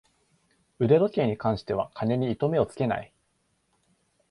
腕時計に関しては金に糸目をつけない